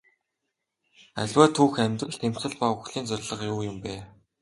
Аливаа түүх амьдрал тэмцэл ба үхлийн зорилго юу юм бэ?